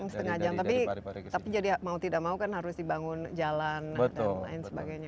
setengah jam tapi jadi mau tidak mau kan harus dibangun jalan dan lain sebagainya